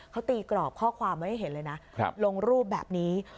เขาตีกรอบข้อความไว้ให้เห็นเลยนะลงรูปแบบนี้